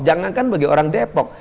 jangan kan bagi orang depok